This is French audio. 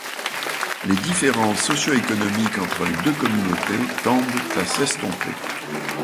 Les différences socioéconomiques entre les deux communautés tendent à s'estomper.